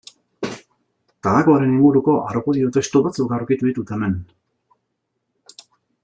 Tabakoaren inguruko argudio testu batzuk aurkitu ditut hemen.